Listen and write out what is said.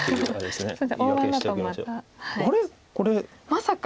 まさか？